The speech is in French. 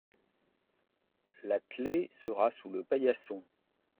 La clé sera sous le paillasson.